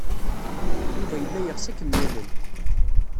Yuba yella yeɣs ad kem-yalel.